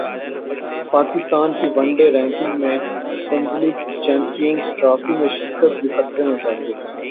پاکستان کی one day ranking میں تنزلی چیمپئنز ٹرافی میں شرکت بھی خطرے میں پڑگئی